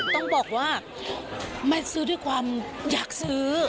ต้องบอกว่าแม่ซื้อด้วยความอยากซื้อ